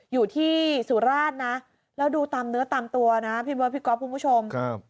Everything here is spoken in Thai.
อยู่ที่สุราชนะแล้วดูตามเนื้อตามตัวนะพี่เบิร์ดพี่ก๊อฟคุณผู้ชมครับ